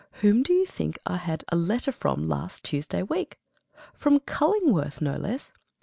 Whom do you think I had a letter from last Tuesday week? From Cullingworth, no less.